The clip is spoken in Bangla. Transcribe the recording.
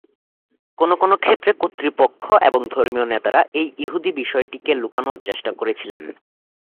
কোন কোন ক্ষেত্রে কর্তৃপক্ষ এবং ধর্মীয় নেতারা এই ইহুদী বিষয়টিকে লুকানো চেষ্টা করেছিলেন।